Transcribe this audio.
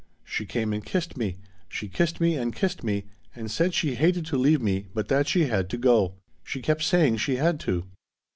She came and kissed me she kissed me and kissed me and said she hated to leave me but that she had to go. She kept saying she had to."